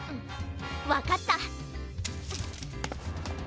わかった。